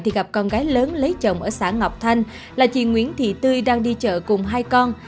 thì gặp con gái lớn lấy chồng ở xã ngọc thanh là chị nguyễn thị tươi đang đi chợ cùng hai con